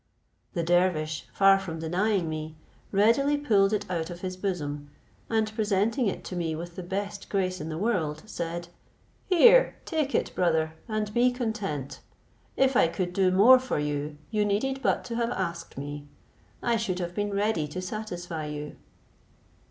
The dervish, far from denying me, readily pulled it out of his bosom, and presenting it to me with the best grace in the world, said, "Here, take it, brother, and be content; if I could do more for you, you needed but to have asked me; I should have been ready to satisfy you."